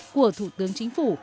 của thủ tướng chính phủ